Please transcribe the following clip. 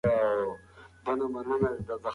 ماشوم په سوې ساه د خپلې مور د غږ په تمه و.